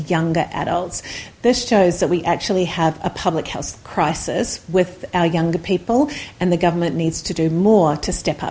yang telah menggunakan alasan yang sangat berbahaya